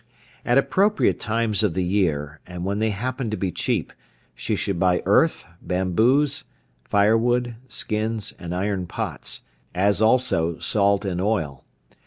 At appropriate times of the year, and when they happen to be cheap, she should buy earth, bamboos, firewood, skins, and iron pots, as also salt and oil.